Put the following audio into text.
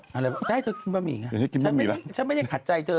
ยังไงกินปะหมี่ฉันไม่ได้ขัดใจเธอ